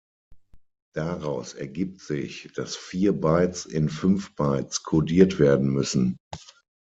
Daraus ergibt sich, dass vier Bytes in fünf Bytes kodiert werden müssen.